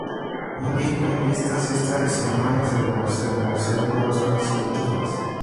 En dichas fiestas es tradicional la celebración de dos conciertos musicales.